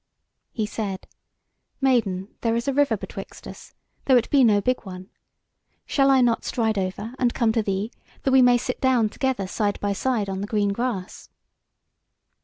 He said: "Maiden, there is a river betwixt us, though it be no big one. Shall I not stride over, and come to thee, that we may sit down together side by side on the green grass?"